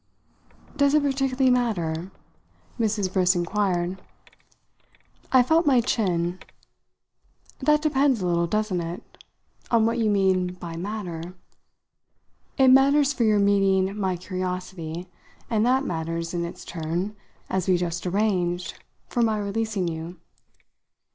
"Does it particularly matter?" Mrs. Briss inquired. I felt my chin. "That depends a little doesn't it? on what you mean by 'matter'! It matters for your meeting my curiosity, and that matters, in its turn, as we just arranged, for my releasing you.